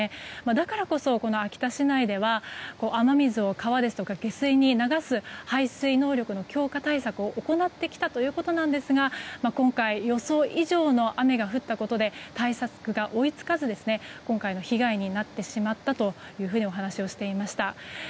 だからこそ、秋田市内では雨水を川ですとか下水に流す排水能力の強化対策を行ってきたということなんですが今回、予想以上の雨が降ったことで、対策が追いつかず今回の被害になってしまったとお話をされていました。